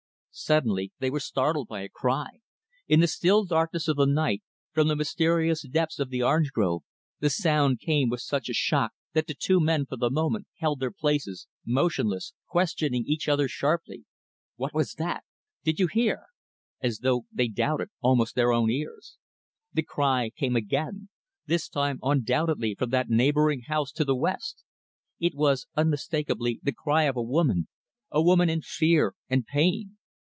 Suddenly, they were startled by a cry. In the still darkness of the night, from the mysterious depths of the orange grove, the sound came with such a shock that the two men, for the moment, held their places, motionless questioning each other sharply "What was that?" "Did you hear?" as though they doubted, almost, their own ears. The cry came again; this time, undoubtedly, from that neighboring house to the west. It was unmistakably the cry of a woman a woman in fear and pain.